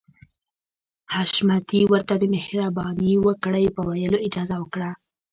حشمتي ورته د مهرباني وکړئ په ويلو اجازه ورکړه.